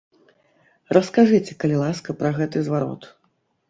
Раскажыце, калі ласка, пра гэты зварот.